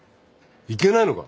いけないのか。